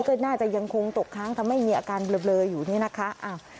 ก็น่าจะยังคงตกค้างทำให้มีอาการเบลออยู่นี่นะคะ